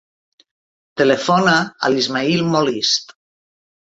Telefona a l'Ismaïl Molist.